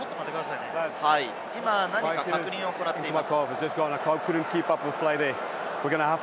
何か確認を行っています。